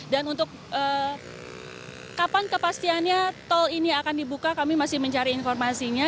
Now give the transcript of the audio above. dan untuk kapan kepastiannya tol ini akan dibuka kami masih mencari informasinya